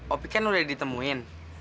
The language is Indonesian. opi kan udah ditemuin